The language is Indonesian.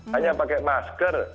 hanya pakai masker